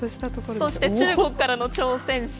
そして中国からの挑戦者。